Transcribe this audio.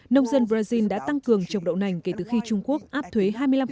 nông dân brazil đã tăng cường trồng đậu nành kể từ khi trung quốc áp thuế hai mươi năm